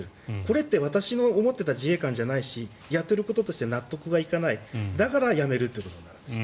これって思っていた自衛官じゃないしやっていることとして納得いかないだから辞めるということになるんです。